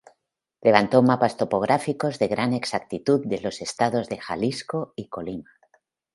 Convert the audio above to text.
Levantó mapas topográficos de gran exactitud de los Estados de Jalisco y Colima.